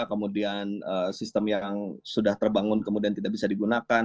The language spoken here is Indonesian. kemudian sistem yang sudah terbangun kemudian tidak bisa digunakan